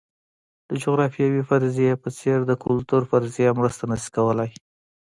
د جغرافیوي فرضیې په څېر د کلتور فرضیه مرسته نه شي کولای.